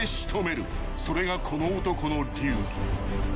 ［それがこの男の流儀］